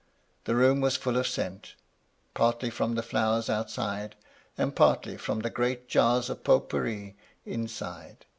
The room was full of scent, partly from the flowers outside, and partly from the great jars of pot pourri in side.